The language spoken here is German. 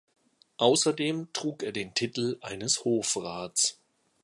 Außerdem trug er den Titel eines Hofrats.